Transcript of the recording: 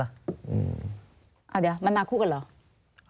เดี๋ยวมันมาคู่กันเหรอ